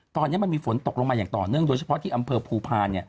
ตอนนี้มันมีฝนตกลงมาอย่างต่อเนื่องโดยเฉพาะที่อำเภอภูพาล